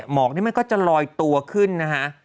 หมอกนี่มันก็จะลอยตัวขึ้นนะฮะ